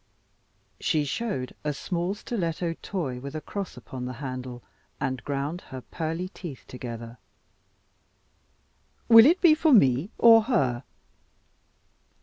She showed a small stiletto toy with a cross upon the handle, and ground her pearly teeth together. "Will it be for me, or her?"